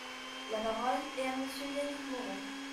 La parole est à Monsieur Yannick Moreau.